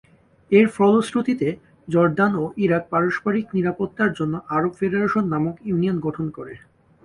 এর ফলশ্রুতিতে জর্ডান ও ইরাক পারস্পরিক নিরাপত্তার জন্য আরব ফেডারেশন নামক ইউনিয়ন গঠন করে।